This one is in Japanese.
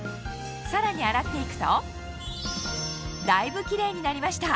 さらに洗っていくとだいぶキレイになりました